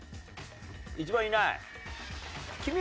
１番いない。